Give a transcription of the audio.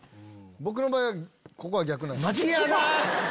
僕の場合はここは逆なんです。